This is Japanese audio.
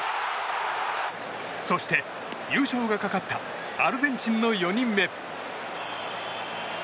そして、優勝がかかったアルゼンチンの４人目。